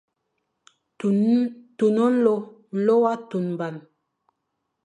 Tun nlô, nlô wa tunba.